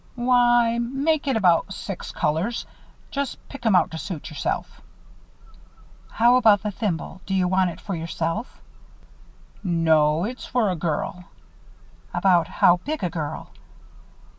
"Why make it about six colors just pick 'em out to suit yourself." "How about the thimble? Do you want it for yourself?" "No, it's for a girl." "About how big a girl?"